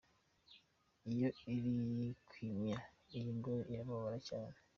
Iyo iri kwimya iy’ingore, irababara cyane.